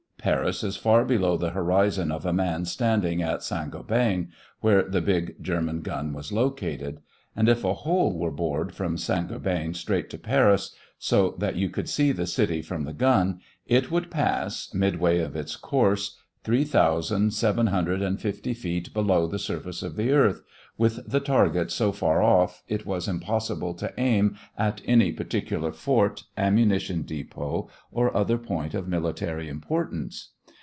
Paris is far below the horizon of a man standing at St. Gobain, where the big German gun was located. And if a hole were bored from St. Gobain straight to Paris, so that you could see the city from the gun, it would pass, midway of its course, three thousand, seven hundred and fifty feet below the surface of the earth. With the target so far off, it was impossible to aim at any particular fort, ammunition depot, or other point of military importance.